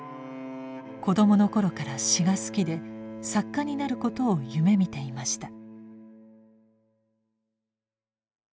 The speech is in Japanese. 子どもの頃から詩が好きで作家になることを夢見ていました。